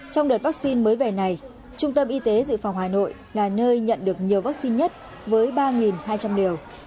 trong đợt vaccine mới về này trung tâm y tế dự phòng hà nội là nơi nhận được nhiều vaccine nhất với ba hai trăm linh liều